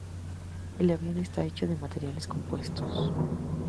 El avión está hecho de materiales compuestos.